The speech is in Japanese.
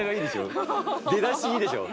出だしいいでしょう？